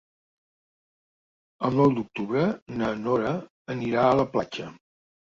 El nou d'octubre na Nora anirà a la platja.